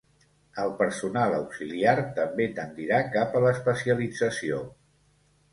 El personal auxiliar també tendirà cap a l'especialització.